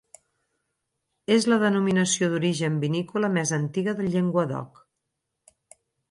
És la denominació d'origen vinícola més antiga del Llenguadoc.